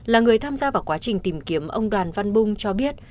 là người tham gia vào quá trình tìm kiếm ông đoàn văn bung cho biết